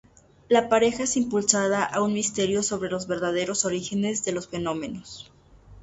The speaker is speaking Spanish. La pareja es impulsada a un misterio sobre los verdaderos orígenes de los fenómenos.